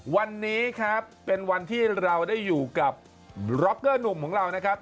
วันนี้ครับเป็นวันที่เราได้อยู่กับร็อกเกอร์หนุ่มของเรานะครับ